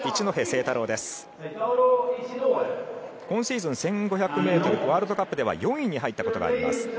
今シーズン１５００ｍワールドカップでは４位に入ったことがあります。